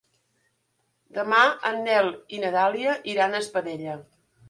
Demà en Nel i na Dàlia iran a Espadella.